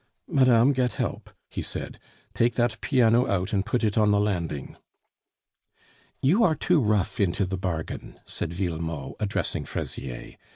"Madame, get help," he said; "take that piano out and put it on the landing." "You are too rough into the bargain," said Villemot, addressing Fraisier.